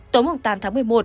tối tám tháng một mươi một